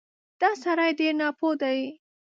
دا سړی ډېر ناپوه دی